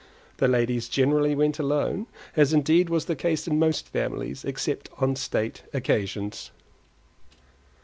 The ladies generally went alone; as indeed was the case in most families, except on state occasions.